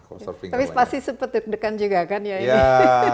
tapi pasti sepedek dekan juga kan ya ini